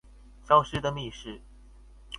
消失的密室